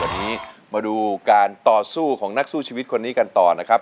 วันนี้มาดูการต่อสู้ของนักสู้ชีวิตคนนี้กันต่อนะครับ